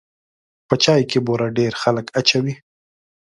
په چای کې بوره ډېر خلک اچوي.